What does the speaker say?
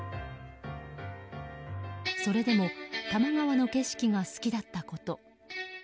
それでも多摩川の景色が好きだったこと。